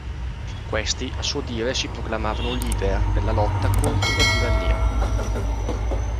Questi a suo dire si proclamavano leader della lotta contro la tirannia.